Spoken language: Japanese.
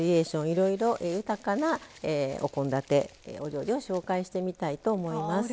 いろいろ豊かなお献立お料理を紹介してみたいと思います。